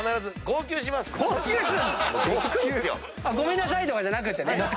号泣するの⁉「ごめんなさい」とかじゃなくてね。